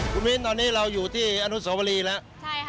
คุณมิ้นตอนนี้เราอยู่ที่อนุสวรีแล้ว